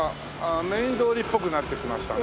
メイン通りっぽくなってきましたね。